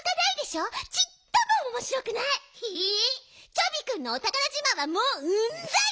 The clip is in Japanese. チョビくんのおたからじまんはもううんざり！